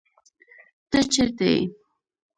ته چېرته يې